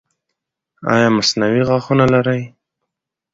ایا مصنوعي غاښونه لرئ؟